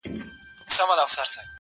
چي تا به وغوښتل ما هغه دم راوړل گلونه~